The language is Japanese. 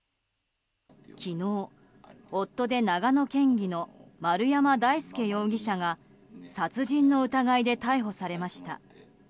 昨日、夫で長野県議の丸山大輔容疑者が殺人の疑いで逮捕されました。